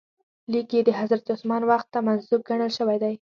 لیک یې د حضرت عثمان وخت ته منسوب ګڼل شوی دی.